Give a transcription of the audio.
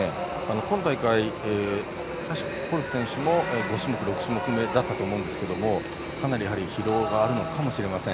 今大会、コルソ選手も６種目めだったと思うんですけどかなり疲労があるかもしれません。